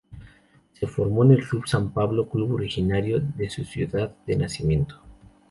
Se formó en el Club San Pablo, club originario de su ciudad de nacimiento.